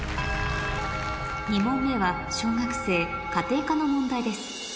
２問目は小学生家庭科の問題です